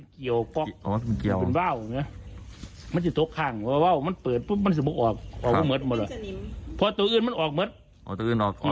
คือว่าแก๊สไม่เคยรู้